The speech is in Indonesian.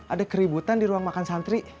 ada keributan di ruang makan santri